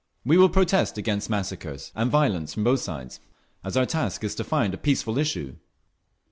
We will protest against massacres and violence from both sides, as our task is to find a peaceful issue."